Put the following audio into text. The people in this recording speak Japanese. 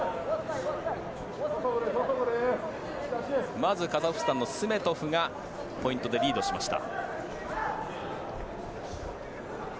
まずカザフスタンのスメトフがポイントでリードしました。